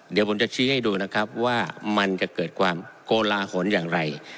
เดี๋ยวผมจะชี้ให้ดูนะครับว่ามันจะเกิดความโกลาหลอย่างไร